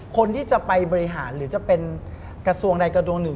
คนที่จะไปบริหารหรือจะเป็นกระทรวงใดกระทรวงหนึ่ง